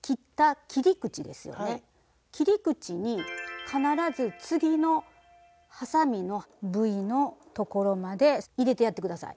切り口に必ず次のはさみのＶのところまで入れてやって下さい。